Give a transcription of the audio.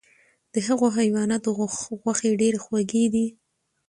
د هغو حیواناتو غوښې ډیرې خوږې دي،